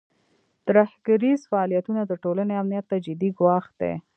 ترهګریز فعالیتونه د ټولنې امنیت ته جدي ګواښ دی.